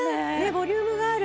ボリュームがある。